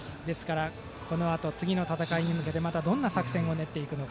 このあと次の戦いに向けてどんな作戦を練っていくのか。